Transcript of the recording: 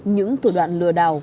những thủ đoạn lừa đào